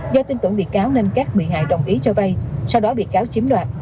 do tin tưởng bị cáo nên các bị hại đồng ý cho vay sau đó bị cáo chiếm đoạt